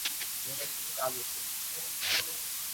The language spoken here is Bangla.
এই কারণে এটি অনেক পশ্চিমা লেখায় আফগানি ফার্সি হিসাবেও পরিচিত।